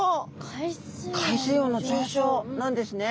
海水温の上昇なんですね。